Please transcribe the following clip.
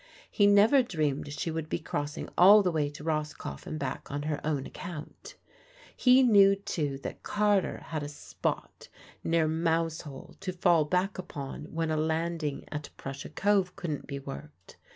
He never dreamed she would be crossing all the way to Roscoff and back on her own account. He knew, too, that Carter had a "spot" near Mousehole to fall back upon when a landing at Prussia Cove couldn't be worked.